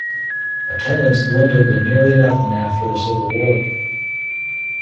Attendance dwindled to nearly nothing after the Civil War.